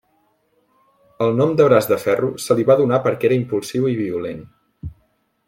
El nom de Braç de Ferro se li va donar perquè era impulsiu i violent.